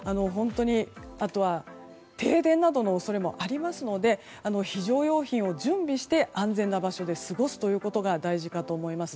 あとは停電などの恐れもありますので非常用品を準備して安全な場所で過ごすのが大事かと思います。